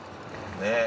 ねえ。